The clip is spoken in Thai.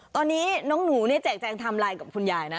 ตอนนี้น้องหนูแจกแจงทำอะไรกับคุณยายนะ